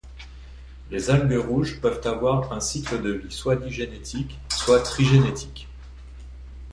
Les Algues rouges peuvent avoir un cycle de vie soit digénétique, soit trigénétique.